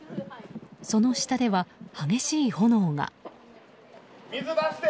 その下では激しい炎が。